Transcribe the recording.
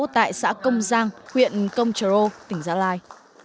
tại xã công giang huyện công trờ rô tỉnh gia lai